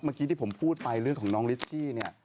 เมื่อกี้ที่ผมพูดไปเรื่องของน้องลิสกี้เนี่ย